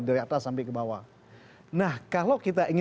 kami akan kembali sesaat lagi